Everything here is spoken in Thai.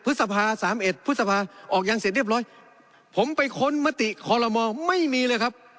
พฤษภาสามเอ็ดพฤษภาออกยังเสร็จเรียบร้อยผมไปค้นมติคอลโลมอลไม่มีเลยครับ